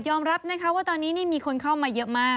ยอมรับว่าตอนนี้มีคนเข้ามาเยอะมาก